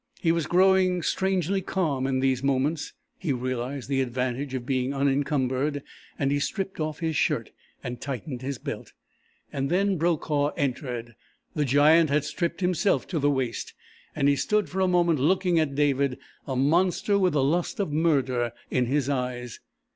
He was growing strangely calm in these moments. He realized the advantage of being unencumbered, and he stripped off his shirt, and tightened his belt. And then Brokaw entered. The giant had stripped himself to the waist, and he stood for a moment looking at David, a monster with the lust of murder in his eyes.